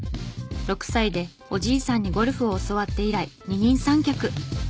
６歳でおじいさんにゴルフを教わって以来二人三脚。